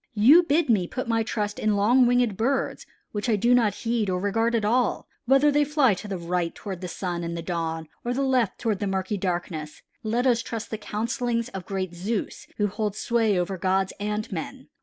You bid me put my trust in long winged birds which I do not heed or regard at all, whether they fly to the right toward the sun and the dawn, or to the left toward the murky darkness. Let us trust the counselings of great Zeus who holds sway over gods and men.